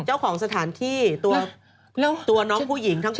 เจ้าของสถานที่ตัวน้องผู้หญิงทั้งคู่